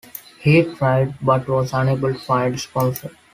He tried but was unable to find a sponsor.